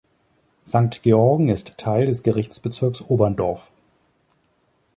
Sankt Georgen ist Teil des Gerichtsbezirks Oberndorf.